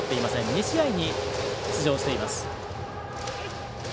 ２試合に出場しています。